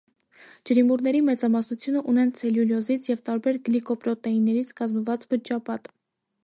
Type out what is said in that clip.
Ջրիմուռների մեծամասնությունը ունեն ցելյուլյոզից և տարբեր գլիկոպրոտեիններից կազմված բջջապատ։